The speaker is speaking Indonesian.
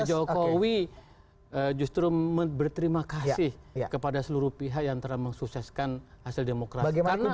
pak jokowi justru berterima kasih kepada seluruh pihak yang telah mensukseskan hasil demokrasi